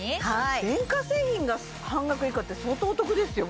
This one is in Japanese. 電化製品が半額以下って相当お得ですよ